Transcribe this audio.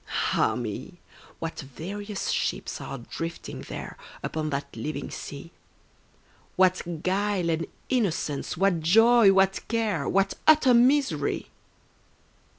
Ah, me! what various ships are drifting there, Upon that living sea; What guile and innocence, what joy, what care, What utter misery!